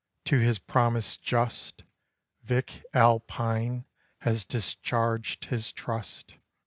to his promise just, Vich Alpine has discharged his trust.